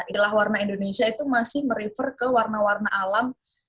istilah warna indonesia itu masih merifer ke warna warna alam